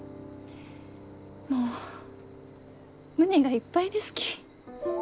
もう胸がいっぱいですき。